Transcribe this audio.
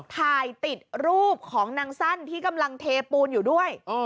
ถ่ายติดรูปของนางสั้นที่กำลังเทปูนอยู่ด้วย